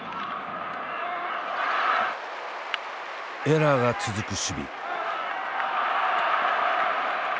エラーが続く守備。